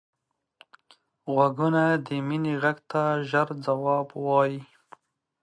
غوږونه د مینې غږ ته ژر ځواب وايي